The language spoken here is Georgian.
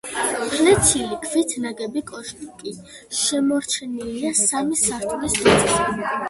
ფლეთილი ქვით ნაგები კოშკი შემორჩენილია სამი სართულის დონეზე.